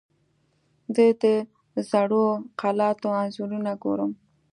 زه د زړو قلعاتو انځورونه ګورم.